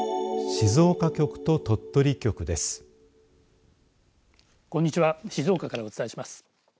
静岡からお伝えします。